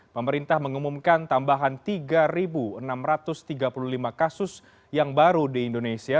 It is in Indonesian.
pemerintah mengumumkan tambahan tiga enam ratus tiga puluh lima kasus yang baru di indonesia